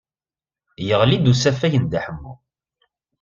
Yeɣli-d usafag n Dda Ḥemmu.